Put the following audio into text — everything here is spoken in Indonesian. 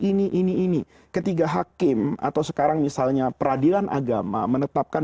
ini ini ini ketiga hakim atau sekarang misalnya peradilan agama menetapkan